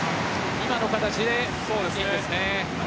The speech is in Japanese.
今の形でいいんですね。